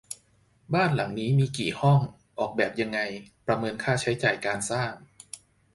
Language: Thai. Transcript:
บ้านหลังนี้มีกี่ห้อง ออกแบบยังไง ประเมินค่าใช้จ่ายการสร้าง